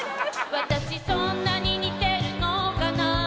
「私そんなに似てるのかな」